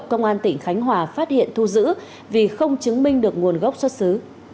công an tỉnh khánh hòa phát hiện thu giữ vì không chứng minh được nguồn gốc xuất xứ